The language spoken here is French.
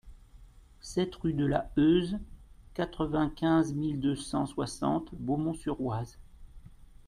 sept rue de la Heuse, quatre-vingt-quinze mille deux cent soixante Beaumont-sur-Oise